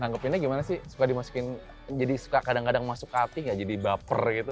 anggapinnya gimana sih suka dimasukin jadi suka kadang kadang masuk hati gak jadi baper gitu